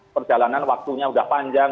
perjalanan waktunya sudah panjang